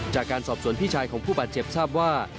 จากการสอบสวนพี่ชายของผู้บาดเจ็บทราบว่า